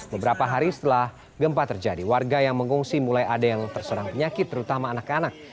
beberapa hari setelah gempa terjadi warga yang mengungsi mulai ada yang terserang penyakit terutama anak anak